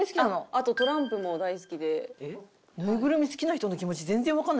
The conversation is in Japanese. あとトランプも大好きで。